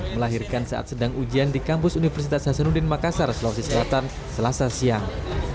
melahirkan saat sedang ujian di kampus universitas hasanuddin makassar sulawesi selatan selasa siang